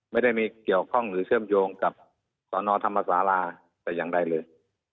ไม่ได้มีเกี่ยวข้องหรือเชื่อมโยงกับสนธรรมศาลาแต่อย่างใดเลย